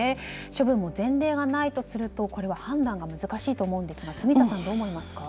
処分の前例がないとするとこれは判断が難しいと思うんですが住田さん、どう思いますか？